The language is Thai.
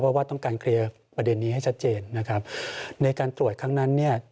เพราะว่าต้องการเคลียร์ประเด็นนี้ให้ชัดเจนนะครับในการตรวจครั้งนั้นเนี่ย